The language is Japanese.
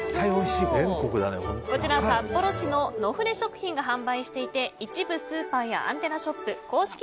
こちら、札幌市のノフレ食品が販売していて一部スーパーやアンテナショップ公式